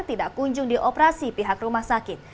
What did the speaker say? tidak kunjung di operasi pihak rumah sakit